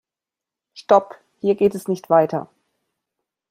Stop! Hier geht es nicht weiter.